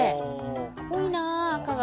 濃いなあ赤が。